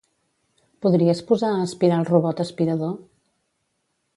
Podries posar a aspirar el robot aspirador?